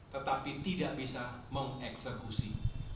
tetapi tidak bisa mengeksekusi